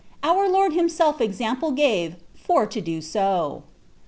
Our Lord himself example gave for to do so.'